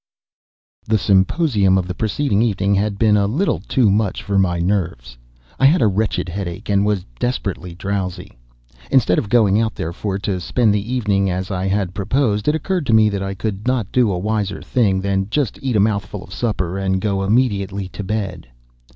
The symposium of the preceding evening had been a little too much for my nerves. I had a wretched headache, and was desperately drowsy. Instead of going out therefore to spend the evening as I had proposed, it occurred to me that I could not do a wiser thing than just eat a mouthful of supper and go immediately to bed.